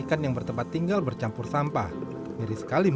kita akan cari sampah di dalam